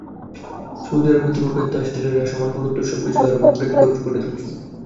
Saudi আরবের তুরুপের তাস তেলের হ্রাসমান গুরুত্ব সবকিছুকে আরও বিভ্রান্তিকর করে তুলছে।